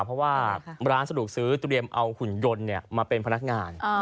เพราะว่าร้านสะดวกซื้อเตรียมเอาหุ่นยนต์มาเป็นพนักงาน